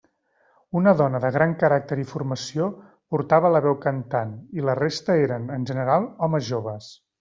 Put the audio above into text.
Una dona de gran caràcter i formació portava la veu cantant i la resta eren, en general, homes joves.